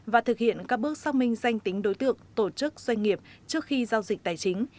và thực hiện các bước xác minh danh tính đối tượng tổ chức doanh nghiệp trước khi giao dịch tài chính